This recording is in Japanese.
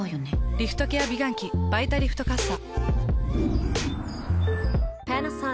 リフトケア美顔器「バイタリフトかっさ」。